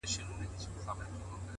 • یو په ښار کي اوسېدی بل په صحرا کي,